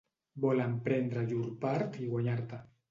Volen prendre llur part i guanyar-te.